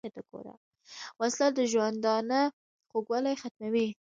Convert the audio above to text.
وسله د ژوندانه خوږوالی ختموي